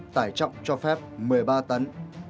tải trọng cho phép một mươi ba tấn